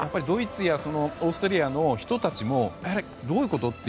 ドイツやオーストリアの人たちもどういうこと？